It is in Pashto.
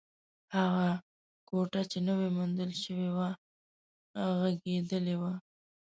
هغه کوټه چې نوې موندل شوې وه، غږېدلې وه.